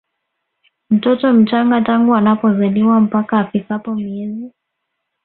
mtoto mchanga tangu anapozaliwa mpaka afikapo miezi